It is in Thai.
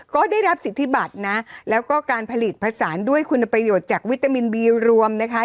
ก็ได้รับสิทธิบัตรนะแล้วก็การผลิตผสานด้วยคุณประโยชน์จากวิตามินบีรวมนะคะ